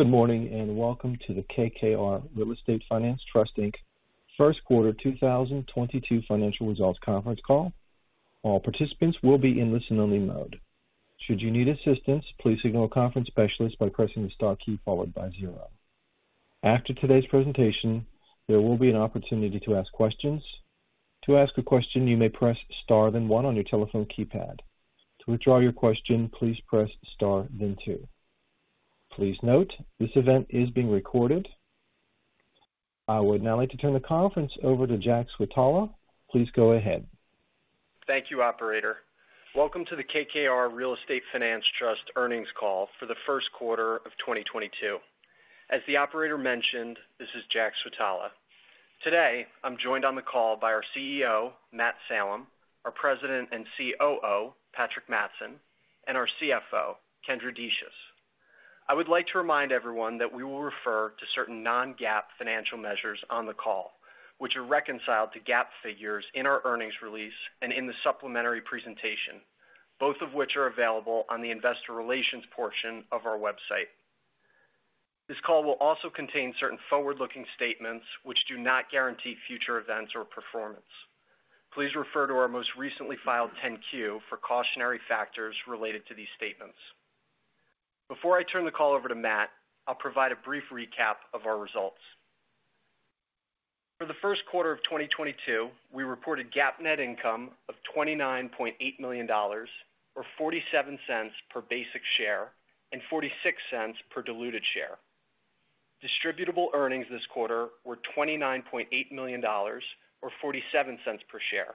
Good morning, and welcome to the KKR Real Estate Finance Trust Inc First Quarter 2022 Financial Results Conference Call. All participants will be in listen-only mode. Should you need assistance, please signal a conference specialist by pressing the star key followed by zero. After today's presentation, there will be an opportunity to ask questions. To ask a question, you may press star then one on your telephone keypad. To withdraw your question, please press star then two. Please note, this event is being recorded. I would now like to turn the conference over to Jack Switala. Please go ahead. Thank you, operator. Welcome to the KKR Real Estate Finance Trust earnings call for the first quarter of 2022. As the operator mentioned, this is Jack Switala. Today, I'm joined on the call by our CEO, Matt Salem, our president and COO, Patrick Mattson, and our CFO, Kendra Decious. I would like to remind everyone that we will refer to certain non-GAAP financial measures on the call, which are reconciled to GAAP figures in our earnings release and in the supplementary presentation, both of which are available on the investor relations portion of our website. This call will also contain certain forward-looking statements which do not guarantee future events or performance. Please refer to our most recently filed 10-Q for cautionary factors related to these statements. Before I turn the call over to Matt, I'll provide a brief recap of our results. For the first quarter of 2022, we reported GAAP net income of $29.8 million or $0.47 per basic share and $0.46 per diluted share. Distributable earnings this quarter were $29.8 million or $0.47 per share,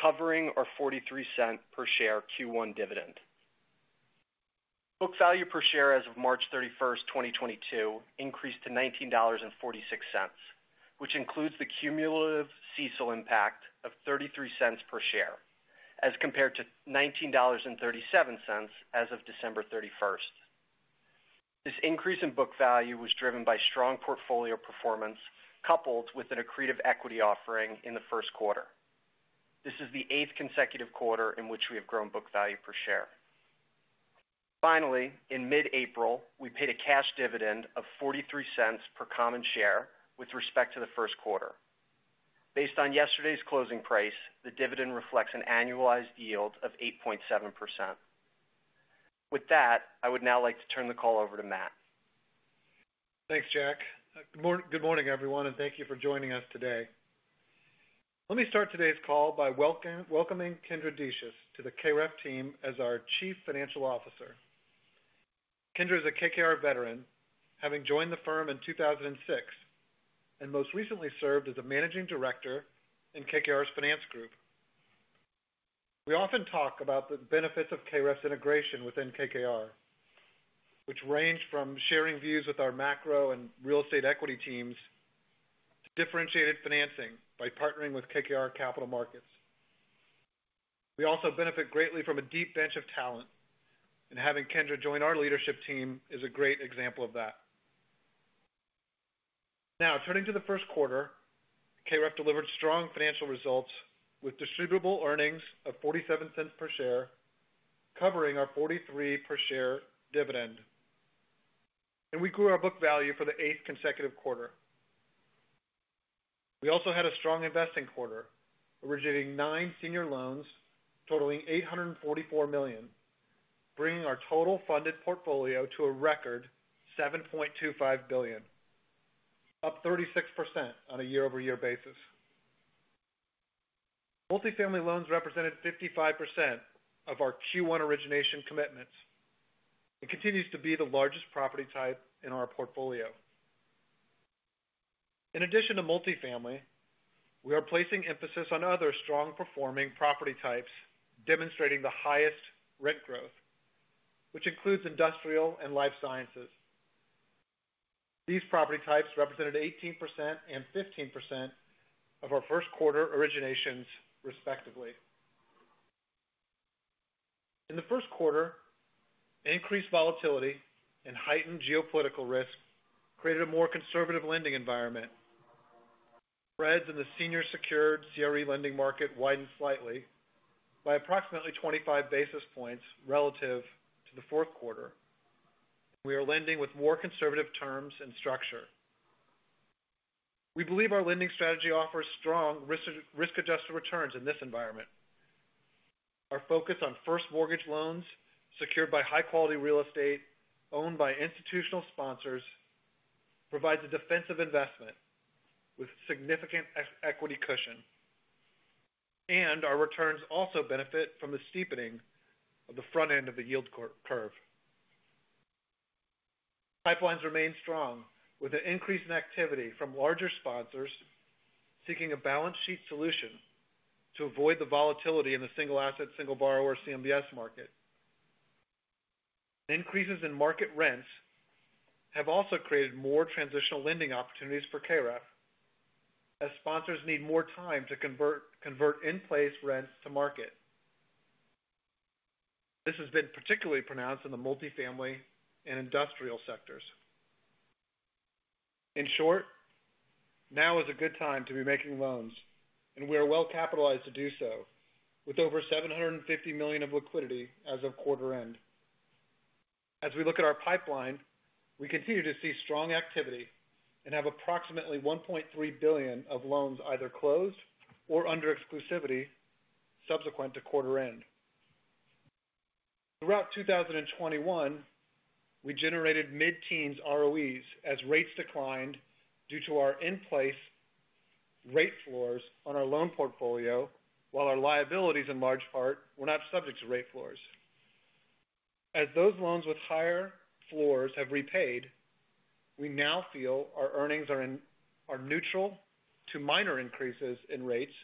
covering our $0.43 per share Q1 dividend. Book value per share as of March 31st, 2022 increased to $19.46, which includes the cumulative CECL impact of $0.33 per share, as compared to $19.37 as of December 31st. This increase in book value was driven by strong portfolio performance coupled with an accretive equity offering in the first quarter. This is the eighth consecutive quarter in which we have grown book value per share. Finally, in mid-April, we paid a cash dividend of $0.43 per common share with respect to the first quarter. Based on yesterday's closing price, the dividend reflects an annualized yield of 8.7%. With that, I would now like to turn the call over to Matt. Thanks, Jack. Good morning, everyone, and thank you for joining us today. Let me start today's call by welcoming Kendra Decious to the KREF team as our Chief Financial Officer. Kendra is a KKR veteran, having joined the firm in 2006, and most recently served as a Managing Director in KKR's finance group. We often talk about the benefits of KREF's integration within KKR, which range from sharing views with our macro and real estate equity teams to differentiated financing by partnering with KKR Capital Markets. We also benefit greatly from a deep bench of talent, and having Kendra join our leadership team is a great example of that. Now, turning to the first quarter, KREF delivered strong financial results with distributable earnings of $0.47 per share, covering our $0.43 per share dividend. We grew our book value for the eighth consecutive quarter. We also had a strong investing quarter, originating nine senior loans totaling $844 million, bringing our total funded portfolio to a record $7.25 billion, up 36% on a year-over-year basis. Multifamily loans represented 55% of our Q1 origination commitments. It continues to be the largest property type in our portfolio. In addition to multifamily, we are placing emphasis on other strong performing property types demonstrating the highest rent growth, which includes industrial and life sciences. These property types represented 18% and 15% of our first quarter originations, respectively. In the first quarter, increased volatility and heightened geopolitical risk created a more conservative lending environment. Spreads in the senior secured CRE lending market widened slightly by approximately 25 basis points relative to the fourth quarter. We are lending with more conservative terms and structure. We believe our lending strategy offers strong, risk-adjusted returns in this environment. Our focus on first mortgage loans secured by high-quality real estate owned by institutional sponsors provides a defensive investment with significant equity cushion. Our returns also benefit from the steepening of the front end of the yield curve. Pipelines remain strong with an increase in activity from larger sponsors seeking a balance sheet solution to avoid the volatility in the single asset, single borrower CMBS market. Increases in market rents have also created more transitional lending opportunities for KREF as sponsors need more time to convert in-place rents to market. This has been particularly pronounced in the multifamily and industrial sectors. In short, now is a good time to be making loans, and we are well capitalized to do so with over $750 million of liquidity as of quarter end. As we look at our pipeline, we continue to see strong activity and have approximately $1.3 billion of loans either closed or under exclusivity subsequent to quarter end. Throughout 2021, we generated mid-teens ROEs as rates declined due to our in-place rate floors on our loan portfolio, while our liabilities in large part were not subject to rate floors. As those loans with higher floors have repaid, we now feel our earnings are neutral to minor increases in rates.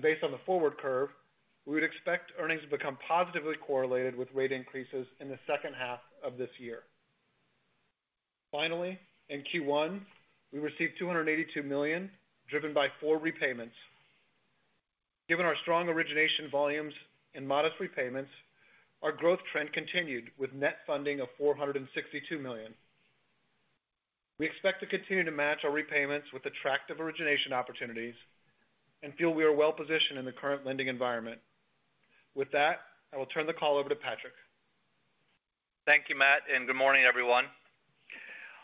Based on the forward curve, we would expect earnings to become positively correlated with rate increases in the second half of this year. Finally, in Q1, we received $282 million driven by four repayments. Given our strong origination volumes and modest repayments, our growth trend continued with net funding of $462 million. We expect to continue to match our repayments with attractive origination opportunities and feel we are well positioned in the current lending environment. With that, I will turn the call over to Patrick. Thank you, Matt, and good morning, everyone.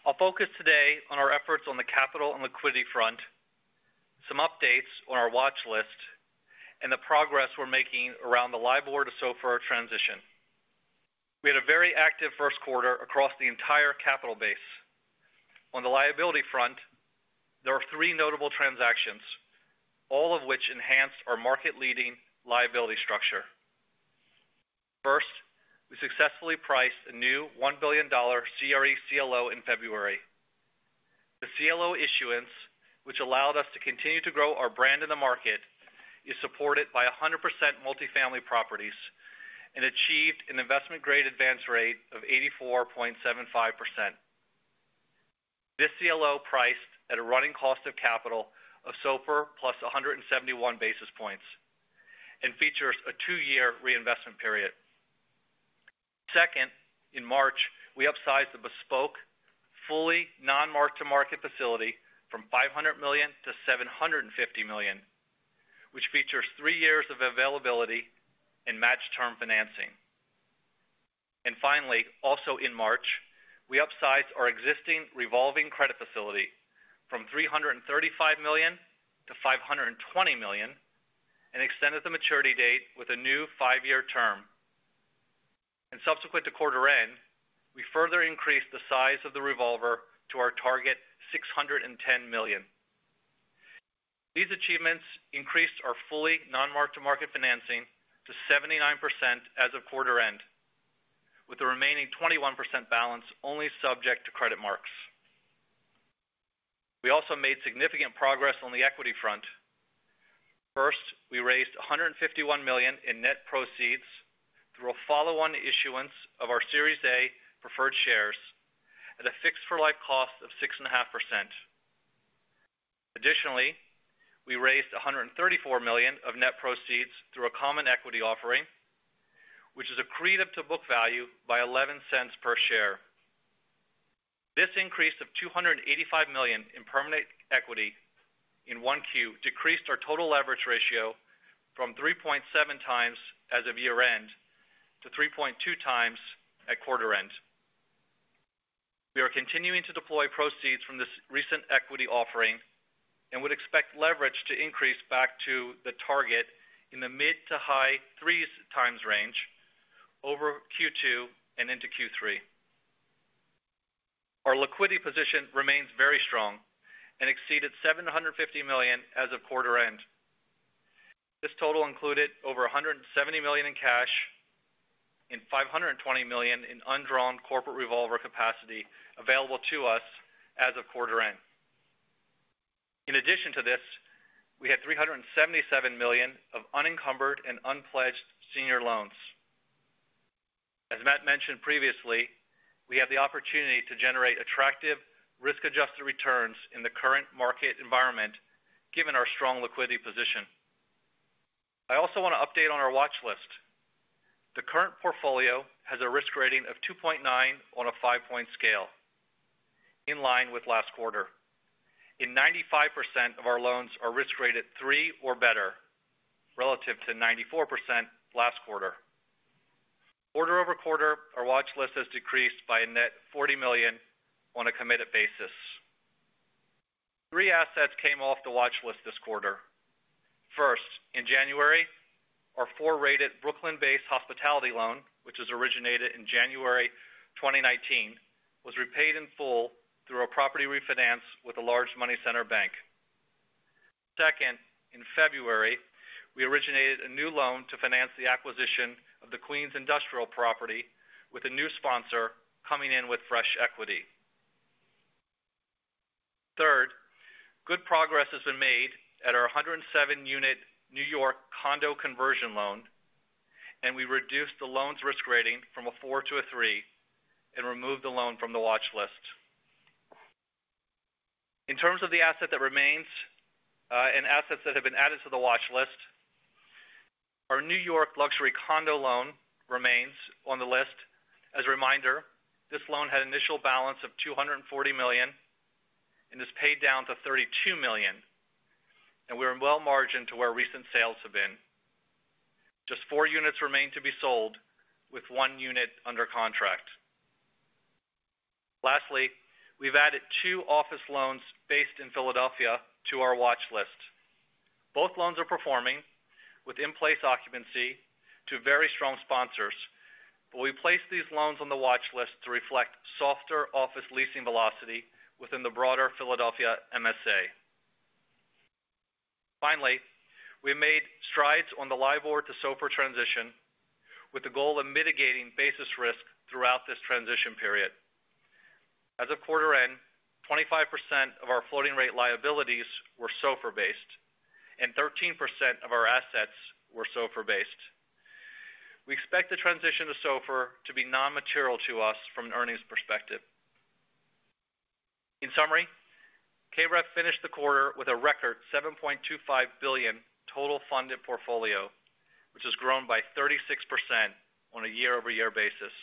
I'll focus today on our efforts on the capital and liquidity front, some updates on our watch list and the progress we're making around the LIBOR to SOFR transition. We had a very active first quarter across the entire capital base. On the liability front, there are three notable transactions, all of which enhanced our market-leading liability structure. First, we successfully priced a new $1 billion CRE CLO in February. The CLO issuance, which allowed us to continue to grow our brand in the market, is supported by 100% multifamily properties and achieved an investment-grade advance rate of 84.75%. This CLO priced at a running cost of capital of SOFR +171 basis points and features a two-year reinvestment period. Second, in March, we upsized a bespoke, fully non-mark-to-market facility from $500 million to $750 million, which features three years of availability and matched term financing. Finally, also in March, we upsized our existing revolving credit facility from $335 million to $520 million and extended the maturity date with a new five-year term. Subsequent to quarter end, we further increased the size of the revolver to our target $610 million. These achievements increased our fully non-mark-to-market financing to 79% as of quarter end, with the remaining 21% balance only subject to credit marks. We also made significant progress on the equity front. First, we raised $151 million in net proceeds through a follow-on issuance of our Series A preferred shares at a fixed-for-life cost of 6.5%. Additionally, we raised $134 million of net proceeds through a common equity offering, which is accretive to book value by $0.11 per share. This increase of $285 million in permanent equity in Q1 decreased our total leverage ratio from 3.7x as of year-end to 3.2x at quarter end. We are continuing to deploy proceeds from this recent equity offering and would expect leverage to increase back to the target in the mid- to high-3s times range over Q2 and into Q3. Our liquidity position remains very strong and exceeded $750 million as of quarter end. This total included over $170 million in cash and $520 million in undrawn corporate revolver capacity available to us as of quarter end. In addition to this, we had $377 million of unencumbered and unpledged senior loans. As Matt mentioned previously, we have the opportunity to generate attractive risk-adjusted returns in the current market environment given our strong liquidity position. I also want to update on our watch list. The current portfolio has a risk rating of 2.9 on a five-point scale, in line with last quarter. 95% of our loans are risk rated 3x or better relative to 94% last quarter. Quarter-over-quarter, our watch list has decreased by a net $40 million on a committed basis. Three assets came off the watch list this quarter. First, in January, our four-rated Brooklyn-based hospitality loan, which was originated in January 2019, was repaid in full through a property refinance with a large money center bank. Second, in February, we originated a new loan to finance the acquisition of the Queens industrial property with a new sponsor coming in with fresh equity. Third, good progress has been made at our 107-unit New York condo conversion loan, and we reduced the loan's risk rating from a four to a three and removed the loan from the watch list. In terms of the asset that remains, and assets that have been added to the watch list. Our New York luxury condo loan remains on the list. As a reminder, this loan had initial balance of $240 million and is paid down to $32 million, and we're well in margin to where recent sales have been. Just four units remain to be sold with one unit under contract. Lastly, we've added two office loans based in Philadelphia to our watch list. Both loans are performing with in-place occupancy to very strong sponsors, but we placed these loans on the watch list to reflect softer office leasing velocity within the broader Philadelphia MSA. Finally, we made strides on the LIBOR to SOFR transition with the goal of mitigating basis risk throughout this transition period. As of quarter end, 25% of our floating rate liabilities were SOFR-based, and 13% of our assets were SOFR-based. We expect the transition to SOFR to be non-material to us from an earnings perspective. In summary, KREF finished the quarter with a record $7.25 billion total funded portfolio, which has grown by 36% on a year-over-year basis.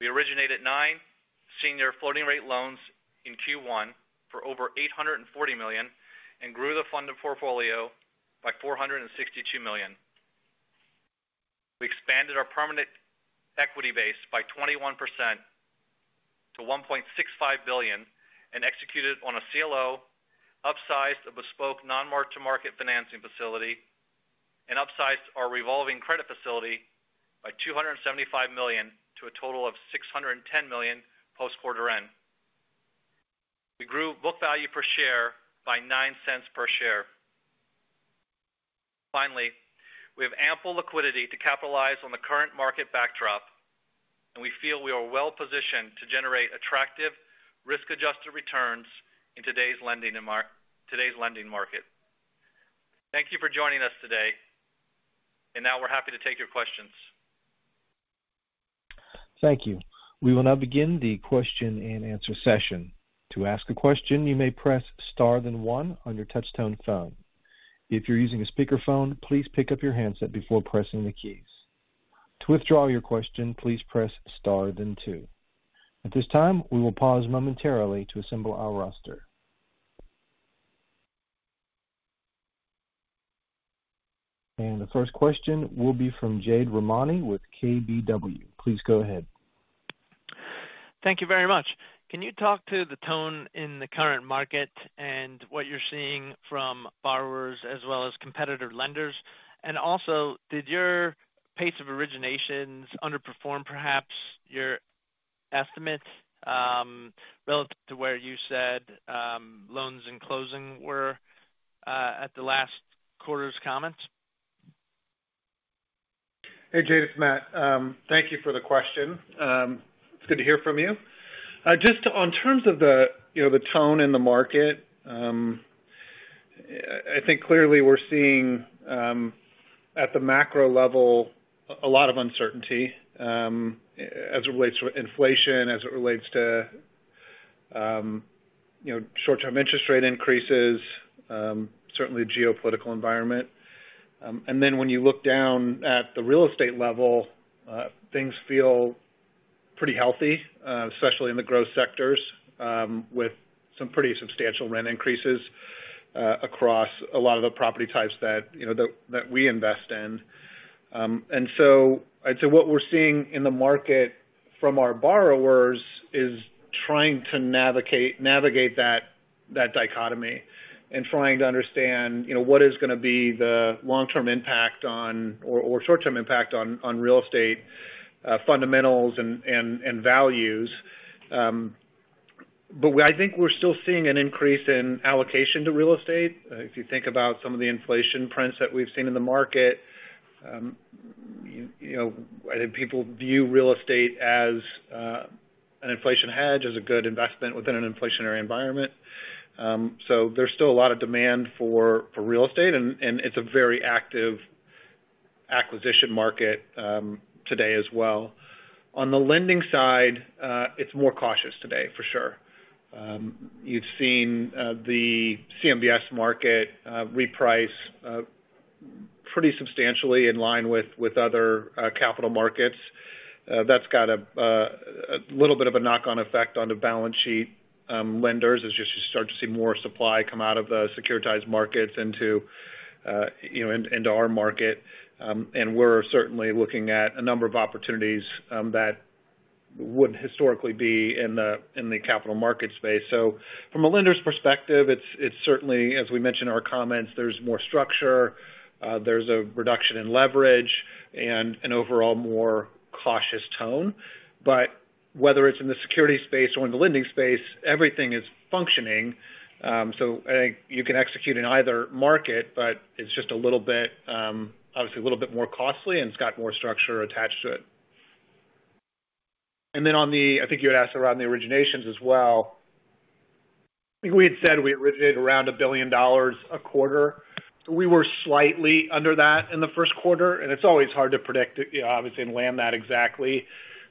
We originated nine senior floating rate loans in Q1 for over $840 million and grew the funded portfolio by $462 million. We expanded our permanent equity base by 21% to $1.65 billion and executed on a CLO, upsized a bespoke non-mark-to-market financing facility, and upsized our revolving credit facility by $275 million to a total of $610 million post quarter end. We grew book value per share by $0.09 per share. Finally, we have ample liquidity to capitalize on the current market backdrop, and we feel we are well positioned to generate attractive risk-adjusted returns in today's lending market. Thank you for joining us today. Now we're happy to take your questions. Thank you. We will now begin the question-and-answer session. To ask a question, you may press star then one on your touchtone phone. If you're using a speakerphone, please pick up your handset before pressing the keys. To withdraw your question, please press star then two. At this time, we will pause momentarily to assemble our roster. The first question will be from Jade Rahmani with KBW. Please go ahead. Thank you very much. Can you talk to the tone in the current market and what you're seeing from borrowers as well as competitor lenders? Also, did your pace of originations underperform perhaps your estimates, relative to where you said, loans and closing were, at the last quarter's comments? Hey, Jade, it's Matt. Thank you for the question. It's good to hear from you. Just in terms of the, you know, the tone in the market, I think clearly we're seeing, at the macro level a lot of uncertainty, as it relates to inflation, as it relates to, you know, short-term interest rate increases, certainly geopolitical environment. When you look down at the real estate level, things feel pretty healthy, especially in the growth sectors, with some pretty substantial rent increases, across a lot of the property types that, you know, that we invest in. What we're seeing in the market from our borrowers is trying to navigate that dichotomy and trying to understand, you know, what is going to be the long-term impact on or short-term impact on real estate fundamentals and values. I think we're still seeing an increase in allocation to real estate. If you think about some of the inflation prints that we've seen in the market, you know, I think people view real estate as an inflation hedge, as a good investment within an inflationary environment. There's still a lot of demand for real estate and it's a very active acquisition market today as well. On the lending side, it's more cautious today, for sure. You've seen the CMBS market reprice pretty substantially in line with other capital markets. That's got a little bit of a knock-on effect on the balance sheet. Lenders are just starting to see more supply come out of the securitized markets into, you know, into our market. We're certainly looking at a number of opportunities that would historically be in the capital market space. From a lender's perspective, it's certainly, as we mentioned in our comments, there's more structure, there's a reduction in leverage and an overall more cautious tone. Whether it's in the security space or in the lending space, everything is functioning. You can execute in either market, but it's just a little bit, obviously a little bit more costly, and it's got more structure attached to it. I think you had asked around the originations as well. I think we had said we originated around $1 billion a quarter. We were slightly under that in the first quarter, and it's always hard to predict, you know, obviously, and land that exactly.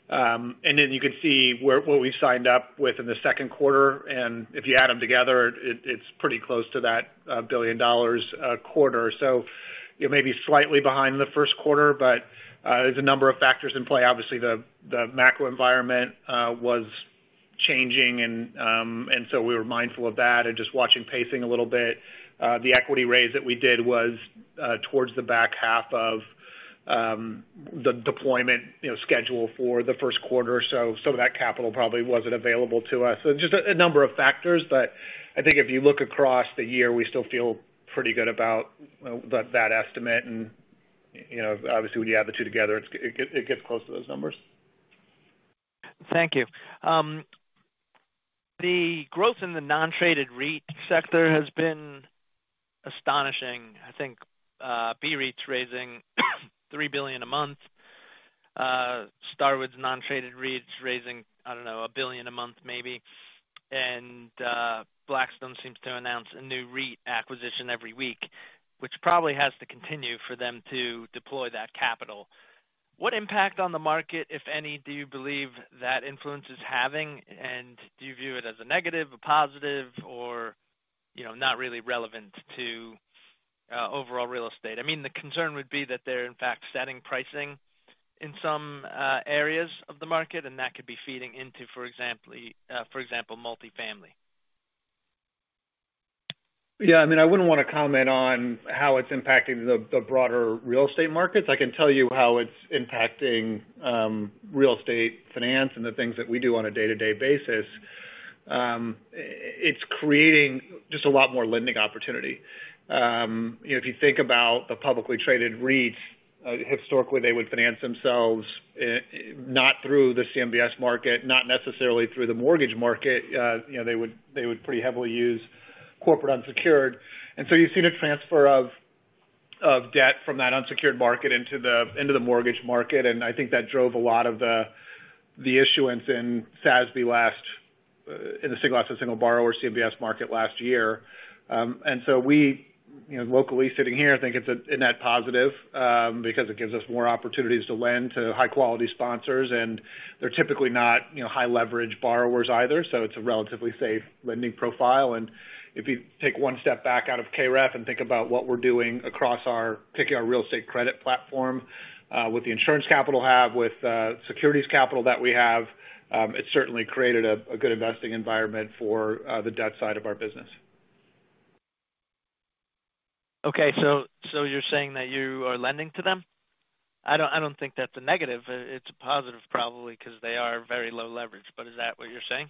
You can see what we signed up with in the second quarter, and if you add them together, it's pretty close to that $1 billion quarter. It may be slightly behind the first quarter, but there's a number of factors in play. Obviously, the macro environment was changing, and so we were mindful of that and just watching pacing a little bit. The equity raise that we did was towards the back half of the deployment, you know, schedule for the first quarter. Some of that capital probably wasn't available to us. Just a number of factors, but I think if you look across the year, we still feel pretty good about that estimate. You know, obviously, when you add the two together, it gets close to those numbers. Thank you. The growth in the non-traded REIT sector has been astonishing. I think, BREIT's raising $3 billion a month. Starwood's non-traded REITs raising, I don't know, $1 billion a month maybe. Blackstone seems to announce a new REIT acquisition every week, which probably has to continue for them to deploy that capital. What impact on the market, if any, do you believe that influence is having, and do you view it as a negative, a positive or, you know, not really relevant to, overall real estate? I mean, the concern would be that they're in fact setting pricing in some areas of the market, and that could be feeding into, for example, multifamily. Yeah, I mean, I wouldn't wanna comment on how it's impacting the broader real estate markets. I can tell you how it's impacting real estate finance and the things that we do on a day-to-day basis. It's creating just a lot more lending opportunity. You know, if you think about the publicly traded REITs, historically, they would finance themselves, not through the CMBS market, not necessarily through the mortgage market, you know, they would pretty heavily use corporate unsecured. You've seen a transfer of debt from that unsecured market into the mortgage market, and I think that drove a lot of the issuance in SASB last in the single asset, single borrower CMBS market last year. We, you know, locally sitting here think it's a net positive, because it gives us more opportunities to lend to high-quality sponsors, and they're typically not, you know, high leverage borrowers either. It's a relatively safe lending profile. If you take one step back out of KREF and think about what we're doing across our, particularly our real estate credit platform, with the insurance capital we have, with securities capital that we have, it certainly created a good investing environment for the debt side of our business. Okay. You're saying that you are lending to them? I don't think that's a negative. It's a positive probably 'cause they are very low leverage. Is that what you're saying?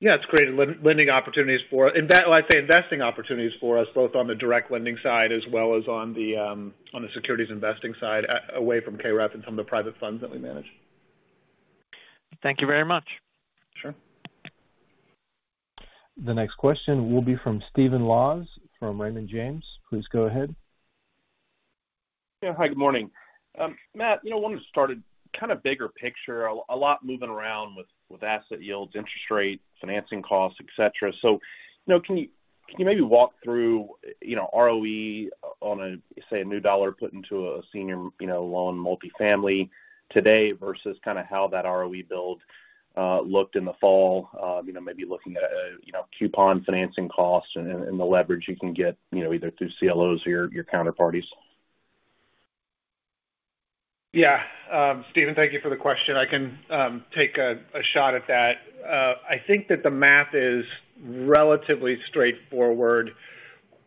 Yeah. It's created lending opportunities for well, I'd say investing opportunities for us, both on the direct lending side as well as on the securities investing side away from KREF and some of the private funds that we manage. Thank you very much. Sure. The next question will be from Stephen Laws from Raymond James. Please go ahead. Yeah. Hi, good morning. Matt, you know, wanted to start at kind of bigger picture, a lot moving around with asset yields, interest rates, financing costs, et cetera. You know, can you maybe walk through, you know, ROE on a, say, a new dollar put into a senior, you know, loan multifamily today versus kind of how that ROE build looked in the fall, you know, maybe looking at, you know, coupon financing costs and the leverage you can get, you know, either through CLOs or your counterparties. Yeah. Stephen, thank you for the question. I can take a shot at that. I think that the math is relatively straightforward.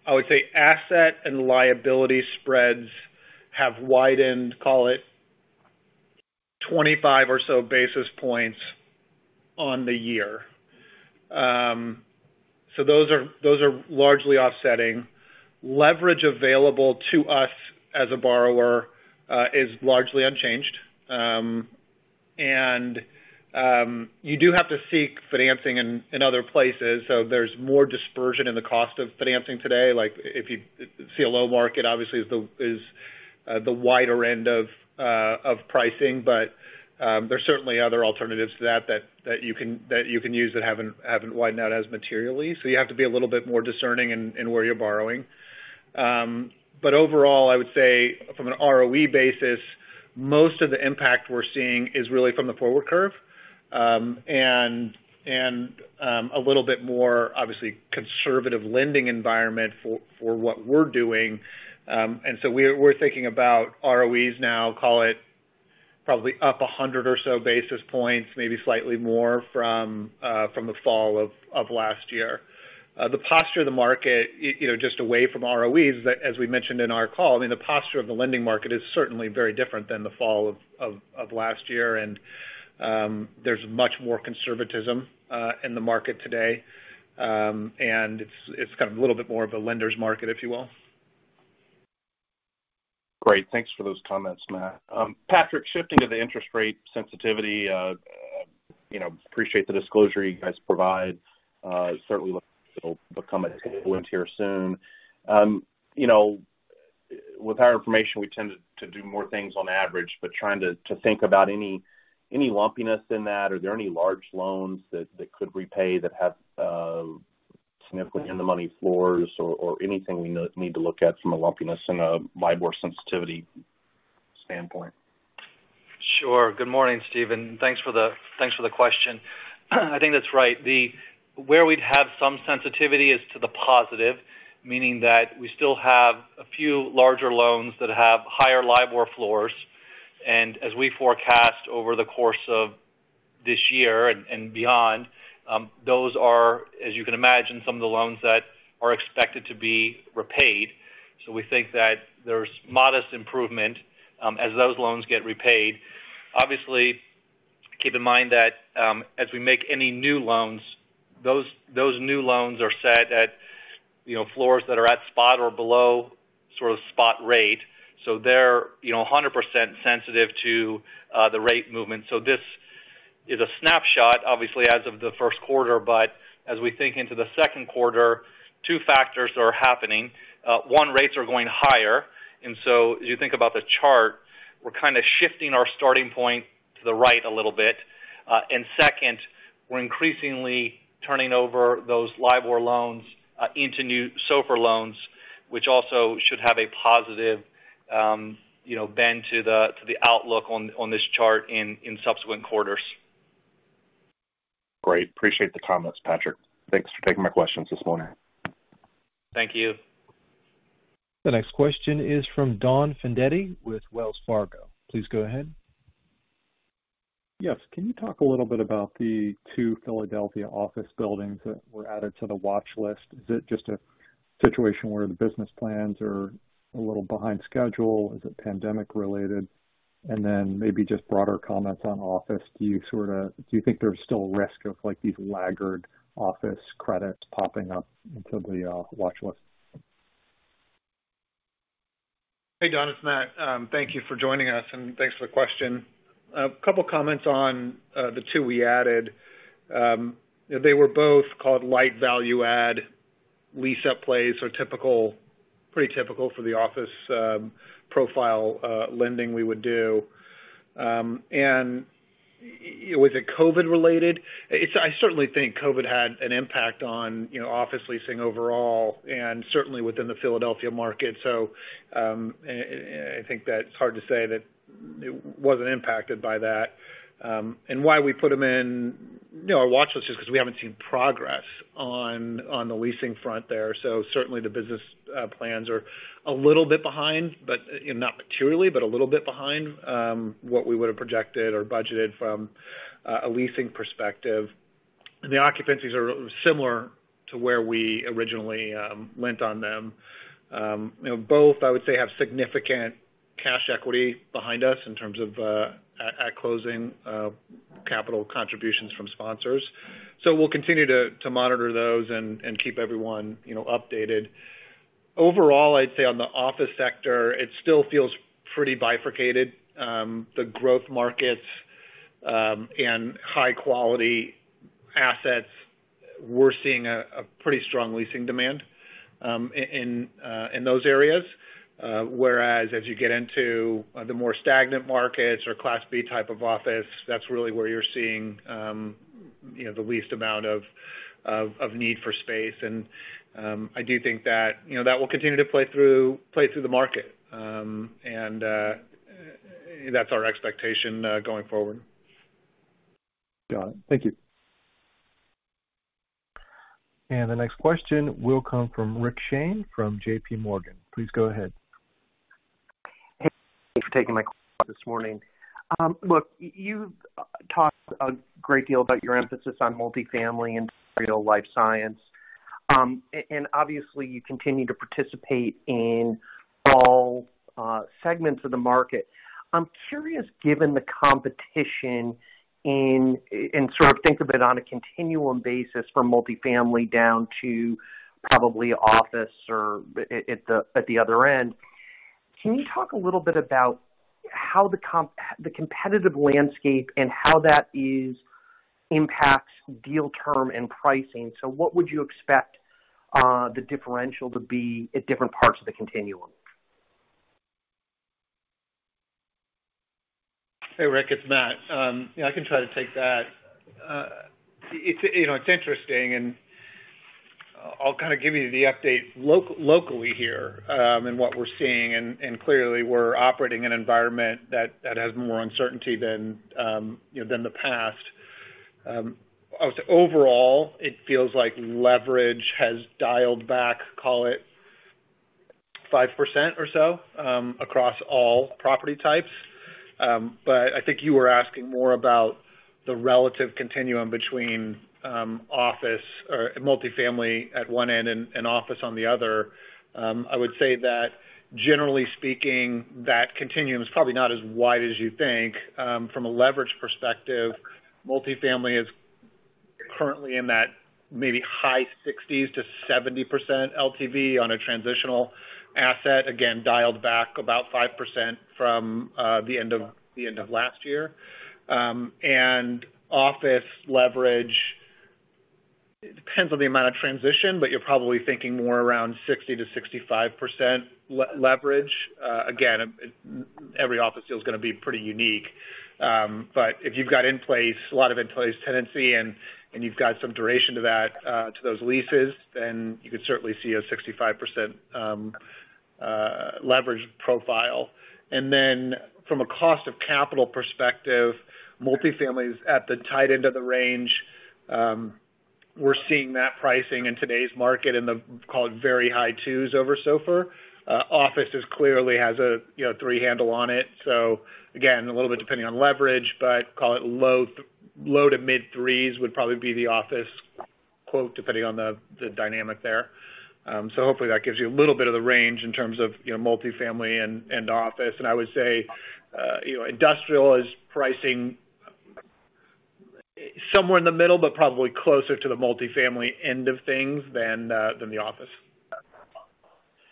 I would say asset and liability spreads have widened, call it 25 or so basis points on the year. So those are largely offsetting. Leverage available to us as a borrower is largely unchanged. You do have to seek financing in other places, so there's more dispersion in the cost of financing today. Like, CLO market obviously is the wider end of pricing. But there's certainly other alternatives to that that you can use that haven't widened out as materially. So you have to be a little bit more discerning in where you're borrowing. Overall, I would say from an ROE basis, most of the impact we're seeing is really from the forward curve, and a little bit more obviously conservative lending environment for what we're doing. We're thinking about ROEs now, call it probably up 100 or so basis points, maybe slightly more from the fall of last year. The posture of the market, you know, just away from ROEs, as we mentioned in our call, I mean, the posture of the lending market is certainly very different than the fall of last year. There's much more conservatism in the market today. It's kind of a little bit more of a lender's market, if you will. Great. Thanks for those comments, Matt. Patrick, shifting to the interest rate sensitivity, you know, appreciate the disclosure you guys provide. Certainly looks it'll become a tailwind here soon. You know, with our information, we tend to do more things on average, but trying to think about any lumpiness in that. Are there any large loans that could repay that have- Significantly in the money floors or anything we need to look at from a lumpiness and a LIBOR sensitivity standpoint. Sure. Good morning, Stephen. Thanks for the question. I think that's right. The where we'd have some sensitivity is to the positive, meaning that we still have a few larger loans that have higher LIBOR floors. As we forecast over the course of this year and beyond, those are, as you can imagine, some of the loans that are expected to be repaid. We think that there's modest improvement as those loans get repaid. Obviously, keep in mind that as we make any new loans, those new loans are set at, you know, floors that are at spot or below sort of spot rate. They're, you know, 100% sensitive to the rate movement. This is a snapshot, obviously, as of the first quarter, but as we think into the second quarter, two factors are happening. One, rates are going higher, and so as you think about the chart, we're kind of shifting our starting point to the right a little bit. Second, we're increasingly turning over those LIBOR loans into new SOFR loans, which also should have a positive, you know, bend to the outlook on this chart in subsequent quarters. Great. Appreciate the comments, Patrick. Thanks for taking my questions this morning. Thank you. The next question is from Don Fandetti with Wells Fargo. Please go ahead. Yes. Can you talk a little bit about the two Philadelphia office buildings that were added to the watch list? Is it just a situation where the business plans are a little behind schedule? Is it pandemic related? Maybe just broader comments on office. Do you think there's still risk of, like, these laggard office credits popping up into the watch list? Hey, Don, it's Matt. Thank you for joining us, and thanks for the question. A couple comments on the two we added. They were both called light value add lease-up plays, so pretty typical for the office profile lending we would do. Is it COVID related? I certainly think COVID had an impact on, you know, office leasing overall and certainly within the Philadelphia market. I think that it's hard to say that it wasn't impacted by that. Why we put them in, you know, our watch list is 'cause we haven't seen progress on the leasing front there. Certainly the business plans are a little bit behind, but, you know, not materially, but a little bit behind what we would have projected or budgeted from a leasing perspective. The occupancies are similar to where we originally lent on them. You know, both, I would say, have significant cash equity behind us in terms of at closing capital contributions from sponsors. We'll continue to monitor those and keep everyone, you know, updated. Overall, I'd say on the office sector, it still feels pretty bifurcated. The growth markets and high quality assets, we're seeing a pretty strong leasing demand in those areas. Whereas, as you get into the more stagnant markets or Class B type of office, that's really where you're seeing, you know, the least amount of need for space. I do think that, you know, that will continue to play through the market. That's our expectation going forward. Got it. Thank you. The next question will come from Rick Shane from JPMorgan. Please go ahead. Hey, thank you for taking my call this morning. Look, you've talked a great deal about your emphasis on multifamily and life sciences. Obviously, you continue to participate in all segments of the market. I'm curious, given the competition in and sort of think of it on a continuum basis from multifamily down to probably office or at the other end, can you talk a little bit about how the competitive landscape and how that impacts deal term and pricing? What would you expect, the differential to be at different parts of the continuum? Hey, Rick, it's Matt. Yeah, I can try to take that. It's you know it's interesting, and I'll kind of give you the update locally here, and what we're seeing. Clearly we're operating in an environment that has more uncertainty than you know than the past. I would say overall, it feels like leverage has dialed back, call it 5% or so, across all property types. I think you were asking more about the relative continuum between office or multifamily at one end and office on the other. I would say that generally speaking, that continuum is probably not as wide as you think. From a leverage perspective, multifamily is currently in that maybe high 60%-70% LTV on a transitional asset, again, dialed back about 5% from the end of last year. Office leverage, it depends on the amount of transition, but you're probably thinking more around 60%-65% leverage. Again, every office deal is gonna be pretty unique. But if you've got in place a lot of employee's tenancy and you've got some duration to that to those leases, then you could certainly see a 65% leverage profile. Then from a cost of capital perspective, multifamily is at the tight end of the range. We're seeing that pricing in today's market in the call it very high 2s over SOFR. Office is clearly has a you know three handle on it. Again, a little bit depending on leverage, but call it low- to mid-3s would probably be the office quote, depending on the dynamic there. Hopefully that gives you a little bit of the range in terms of, you know, multifamily and office. I would say, you know, industrial is pricing somewhere in the middle, but probably closer to the multifamily end of things than the office.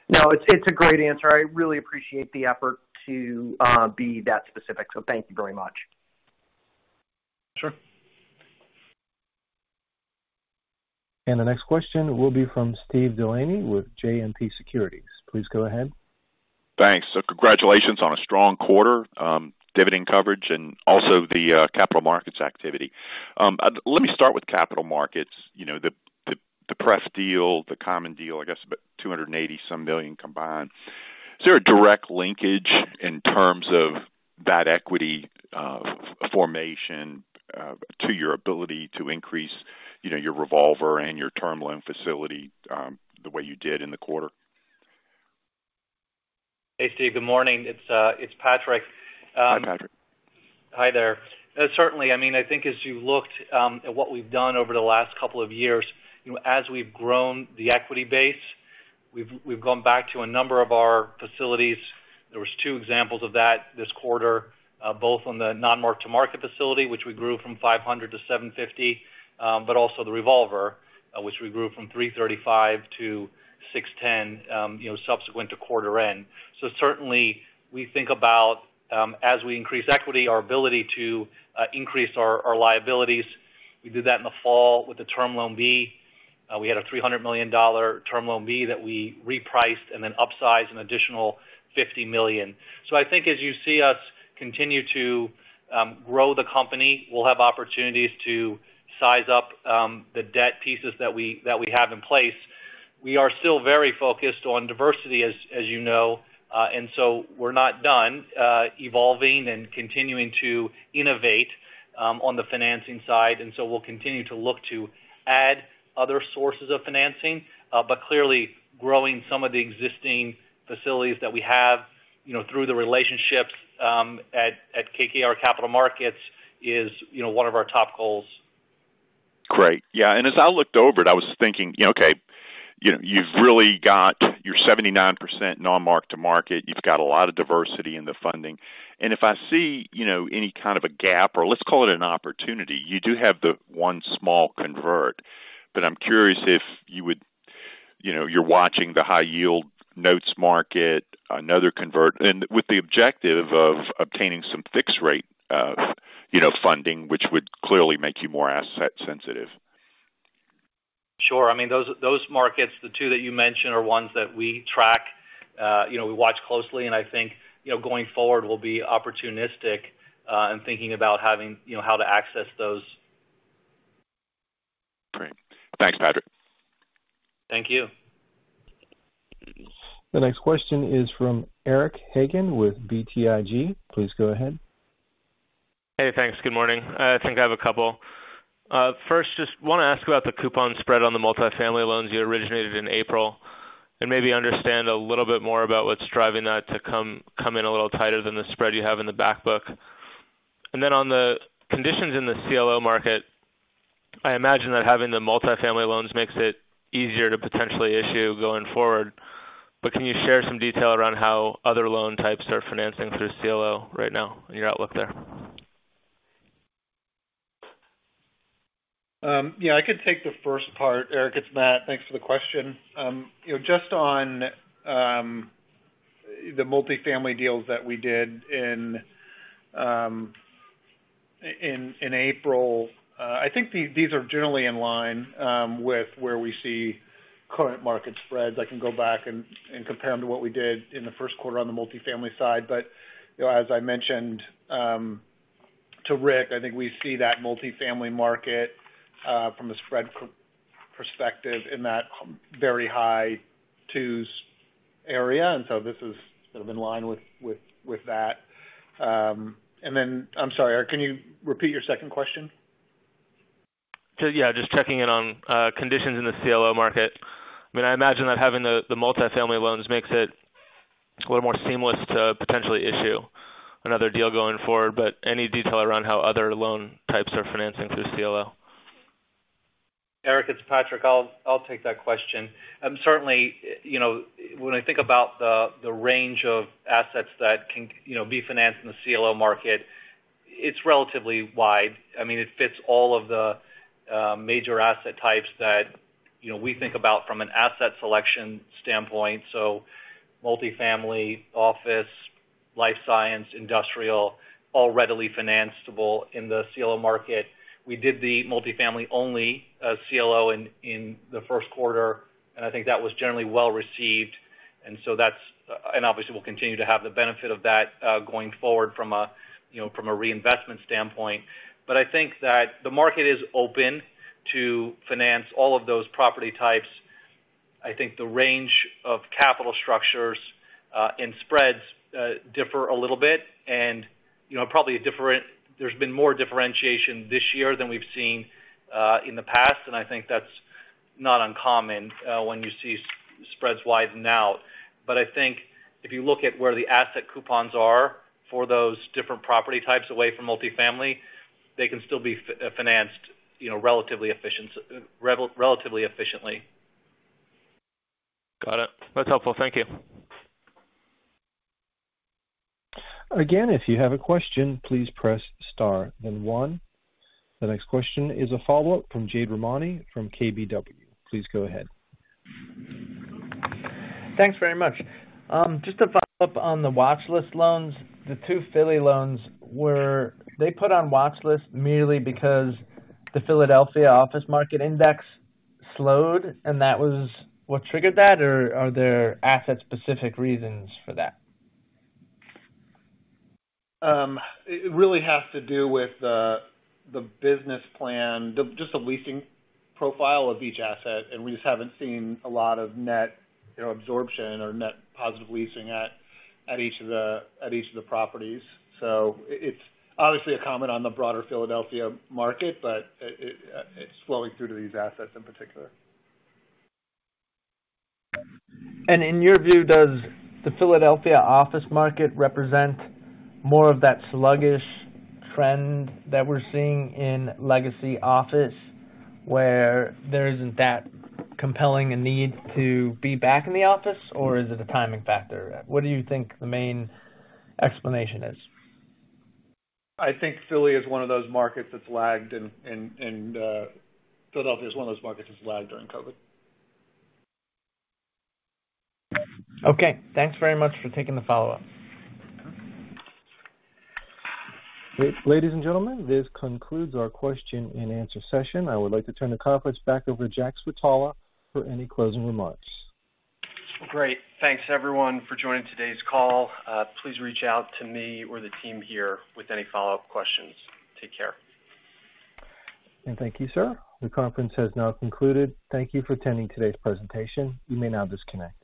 No, it's a great answer. I really appreciate the effort to be that specific, so thank you very much. Sure. The next question will be from Steve DeLaney with JMP Securities. Please go ahead. Thanks. Congratulations on a strong quarter, dividend coverage and also the capital markets activity. Let me start with capital markets. You know, the pref deal, the common deal, I guess about $280 million combined. Is there a direct linkage in terms of that equity formation to your ability to increase, you know, your revolver and your term loan facility, the way you did in the quarter? Hey, Steve. Good morning. It's Patrick. Hi, Patrick. Hi there. Certainly, I mean, I think as you looked at what we've done over the last couple of years, you know, as we've grown the equity base, we've gone back to a number of our facilities. There was two examples of that this quarter, both on the non-mark-to-market facility, which we grew from $500 million-$750 million, but also the revolver, which we grew from $335 million-$610 million, you know, subsequent to quarter end. Certainly we think about, as we increase equity, our ability to increase our liabilities. We did that in the fall with the Term Loan B. We had a $300 million Term Loan B that we repriced and then upsized an additional $50 million. I think as you see us continue to grow the company, we'll have opportunities to size up the debt pieces that we have in place. We are still very focused on diversity as you know. We're not done evolving and continuing to innovate on the financing side. We'll continue to look to add other sources of financing. Clearly growing some of the existing facilities that we have, you know, through the relationships at KKR Capital Markets is, you know, one of our top goals. Great. Yeah, as I looked over it, I was thinking, you know, okay, you know, you've really got your 79% non-mark-to-market. You've got a lot of diversity in the funding. If I see, you know, any kind of a gap or let's call it an opportunity, you do have the one small convert. I'm curious if you would. You know, you're watching the high-yield notes market, another convert, and with the objective of obtaining some fixed-rate, you know, funding, which would clearly make you more asset-sensitive. Sure. I mean, those markets, the two that you mentioned, are ones that we track, you know, we watch closely, and I think, you know, going forward, we'll be opportunistic in thinking about having you know, how to access those. Great. Thanks, Patrick. Thank you. The next question is from Eric Hagen with BTIG. Please go ahead. Hey, thanks. Good morning. I think I have a couple. First, just wanna ask about the coupon spread on the multifamily loans you originated in April and maybe understand a little bit more about what's driving that to come in a little tighter than the spread you have in the back book. On the conditions in the CLO market, I imagine that having the multifamily loans makes it easier to potentially issue going forward. Can you share some detail around how other loan types are financing through CLO right now and your outlook there? Yeah, I could take the first part. Eric, it's Matt. Thanks for the question. You know, just on the multifamily deals that we did in April, I think these are generally in line with where we see current market spreads. I can go back and compare them to what we did in the first quarter on the multifamily side, but you know, as I mentioned to Rick, I think we see that multifamily market from a spread perspective in that very high twos area. This is sort of in line with that. I'm sorry, Eric, can you repeat your second question? Yeah, just checking in on conditions in the CLO market. I mean, I imagine that having the multifamily loans makes it a little more seamless to potentially issue another deal going forward. Any detail around how other loan types are financing through CLO? Eric, it's Patrick. I'll take that question. Certainly, you know, when I think about the range of assets that can, you know, be financed in the CLO market, it's relatively wide. I mean, it fits all of the major asset types that, you know, we think about from an asset selection standpoint. Multifamily, office, life science, industrial, all readily financeable in the CLO market. We did the multifamily-only CLO in the first quarter, and I think that was generally well received. Obviously, we'll continue to have the benefit of that going forward from a reinvestment standpoint. But I think that the market is open to finance all of those property types. I think the range of capital structures and spreads differ a little bit and, you know, probably a different. There's been more differentiation this year than we've seen in the past, and I think that's not uncommon when you see spreads widen out. I think if you look at where the asset coupons are for those different property types away from multifamily, they can still be financed, you know, relatively efficiently. Got it. That's helpful. Thank you. Again, if you have a question, please press star then one. The next question is a follow-up from Jade Rahmani from KBW. Please go ahead. Thanks very much. Just to follow up on the watchlist loans. The two Philly loans were they put on watchlist merely because the Philadelphia Office Market Index slowed, and that was what triggered that, or are there asset-specific reasons for that? It really has to do with the business plan, just the leasing profile of each asset, and we just haven't seen a lot of net, you know, absorption or net positive leasing at each of the properties. It's obviously a comment on the broader Philadelphia market, but it's flowing through to these assets in particular. In your view, does the Philadelphia office market represent more of that sluggish trend that we're seeing in legacy office where there isn't that compelling a need to be back in the office or is it a timing factor? What do you think the main explanation is? I think Philadelphia is one of those markets that's lagged during COVID. Okay. Thanks very much for taking the follow-up. Ladies and gentlemen, this concludes our question and answer session. I would like to turn the conference back over to Jack Switala for any closing remarks. Great. Thanks everyone for joining today's call. Please reach out to me or the team here with any follow-up questions. Take care. Thank you, sir. The conference has now concluded. Thank you for attending today's presentation. You may now disconnect.